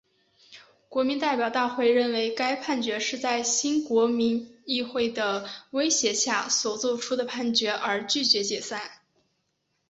国民代表大会认为该判决是在新国民议会的威胁下所做出的判决而拒绝解散。